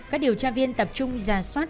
các điều tra viên tập trung ra soát